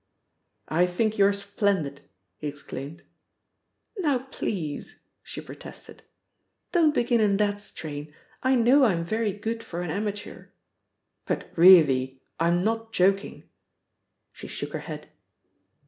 "I think you're splendid," he exclaimed. "Now please!" she protested. "Don't begin in that strain. I know I'm very good for an amateur " "But really! I'm not joking!" She shook her head.